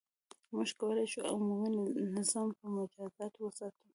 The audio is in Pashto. • موږ کولای شو، عمومي نظم په مجازاتو وساتو.